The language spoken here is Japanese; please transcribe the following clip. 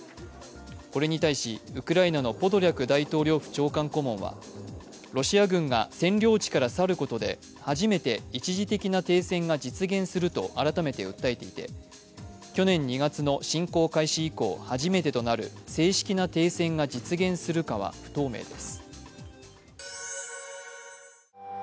これに対し、ウクライナのポドリャク大統領府長官顧問はロシア軍が占領地から去ることで初めて一時的な停戦が実現すると改めて訴えていて、去年２月の侵攻開始以降初めてとなる正式な停戦が実現するかは不透明です。